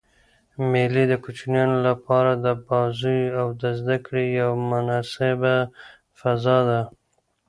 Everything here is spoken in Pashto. مېلې د کوچنيانو له پاره د بازيو او زدکړي یوه مناسبه فضا ده.